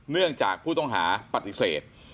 เนื่องจากผู้ต้องหาปฏิเสธ